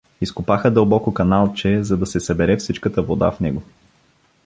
Изкопаха дълбоко каналче, за да се събере всичката вода в него.